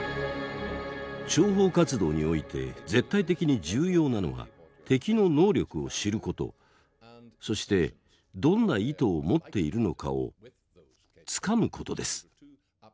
諜報活動において絶対的に重要なのは敵の能力を知る事そしてどんな意図を持っているのかをつかむ事です。